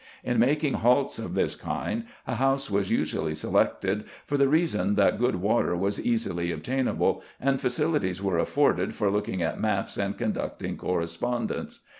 In making halts of this kind a house was usually selected, for the reason that good water was easily obtainable, and facilities were afforded for looking at maps and conducting correspondence.